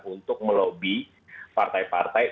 untuk melobi partai partai